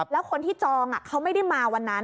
แล้วคนที่จองเขาไม่ได้มาวันนั้น